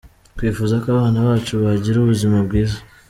Twifuza ko abana bacu bagira ubuzima bwiza.